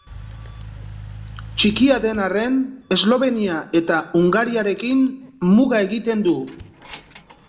Txikia den arren Eslovenia eta Hungariarekin muga egiten du.